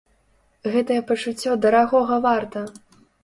Гэтае пачуццё дарагога варта!